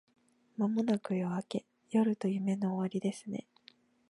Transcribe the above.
間もなく夜明け…夜と夢の終わりですね